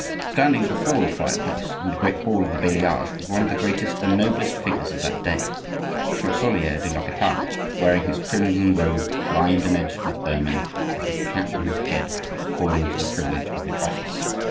Standing before the fireplace in the great hall of the Bailliage was one of the greatest and noblest figures of that day,—the Chancelier de l'Hopital, wearing his crimson robe lined and edged with ermine, and his cap on his head according to the privilege of his office.